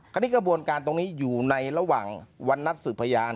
กระบวนการตรงนี้อยู่ในระหว่างวันนัดสืบพยาน